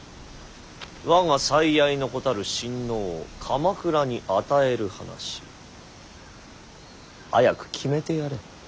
我が最愛の子たる親王を鎌倉に与える話早く決めてやれ。